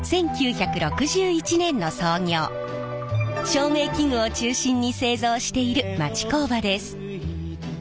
照明器具を中心に製造している町工場です。